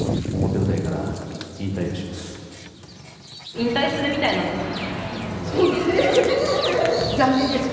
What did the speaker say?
引退するみたいなんですが。